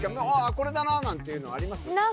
これだななんていうのあります？